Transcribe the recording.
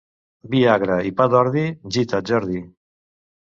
Vi agre i pa d'ordi, gita't, Jordi.